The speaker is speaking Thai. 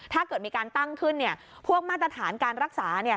ถ้าเกิดมีการตั้งขึ้นพวกมาตรฐานการรักษา